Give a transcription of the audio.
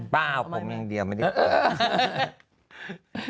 เปล่าผมอย่างเดียวไม่ได้เติม